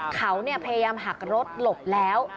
เขาพยายามหักรถหลบแล้ว